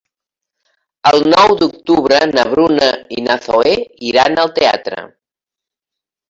El nou d'octubre na Bruna i na Zoè iran al teatre.